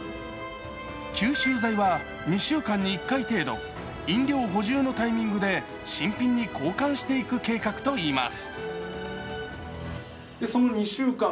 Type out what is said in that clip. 吸収剤は２週間に１回程度飲料補充のタイミングで新品に交換していく計画といいます。